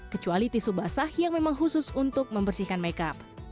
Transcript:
kecuali tisu basah yang memang khusus untuk membersihkan makeup